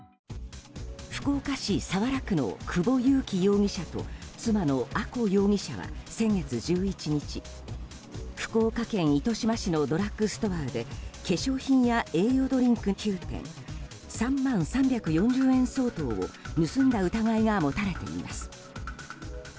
福岡市早良区の久保雄喜容疑者と妻のあこ容疑者は先月１１日福岡県糸島市のドラッグストアで化粧品や栄養ドリンク９点３万３４０円相当を盗んだ疑いが持たれています。